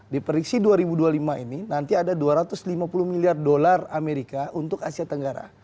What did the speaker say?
di prediksi dua ribu dua puluh lima ini nanti ada dua ratus lima puluh miliar dolar amerika untuk asia tenggara